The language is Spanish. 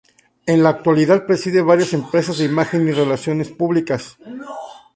En la actualidad preside varias empresas de imagen y relaciones públicas.